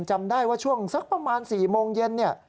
จำได้ว่าช่วงสักประมาณ๔โมงเย็นเนี่ย